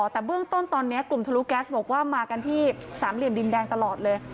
แต่เบื้องต้นตอนนี้กลุ่มทะลุแก๊สบอกว่ามากันที่สามเหลี่ยมดินแดงตลอดเลย